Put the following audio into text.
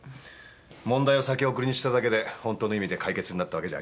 問題を先送りにしただけでホントの意味で解決になったわけじゃありませんが。